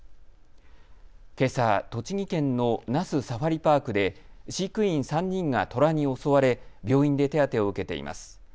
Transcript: けさ、栃木県の那須サファリパークで飼育員３人がトラに襲われ病院で手当てを受けています。